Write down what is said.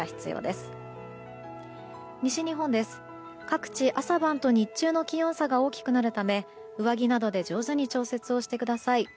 各地、朝晩と日中の気温差が大きくなるため上着などで上手に調節をしてください。